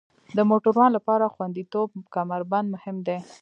د موټروان لپاره خوندیتوب کمربند مهم دی.